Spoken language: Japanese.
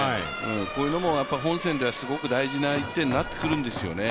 こういうのも本戦ではすごく大事な１点になるんですよね。